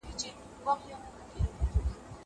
ونې ته اوبه ورکړه!